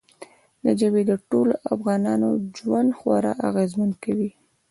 ژبې د ټولو افغانانو ژوند خورا اغېزمن کوي.